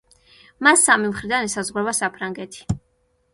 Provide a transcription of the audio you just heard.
მას სამი მხრიდან ესაზღვრება საფრანგეთი.